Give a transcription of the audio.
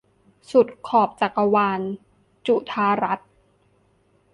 สุดขอบจักรวาล - จุฑารัตน์